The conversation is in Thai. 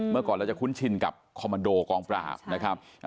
เมื่อก่อนเราจะคุ้นชินกับคอมมันโดกองปราบนะครับ